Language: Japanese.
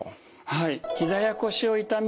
はい。